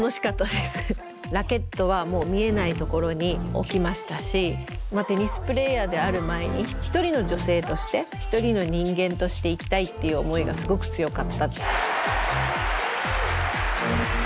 ラケットはもう見えないところに置きましたしテニスプレーヤーである前に一人の女性として一人の人間として生きたいっていう思いがすごく強かった。